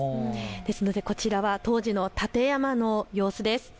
ですのでこちらは当時の館山の様子です。